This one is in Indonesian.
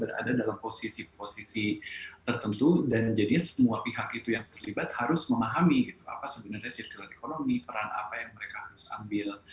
berada dalam posisi posisi tertentu dan jadinya semua pihak itu yang terlibat harus memahami apa sebenarnya circular economy peran apa yang mereka harus ambil